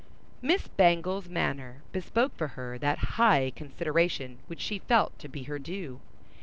Miss Bangle's manner bespoke for her that high consideration which she felt to be her due.